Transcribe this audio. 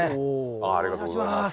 ありがとうございます。